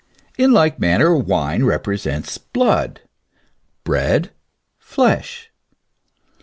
In like manner wine represents blood; bread, flesh.